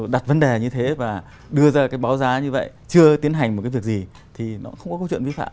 đặt vấn đề như thế và đưa ra cái báo giá như vậy chưa tiến hành một cái việc gì thì nó không có câu chuyện vi phạm